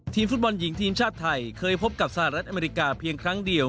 ฟุตบอลหญิงทีมชาติไทยเคยพบกับสหรัฐอเมริกาเพียงครั้งเดียว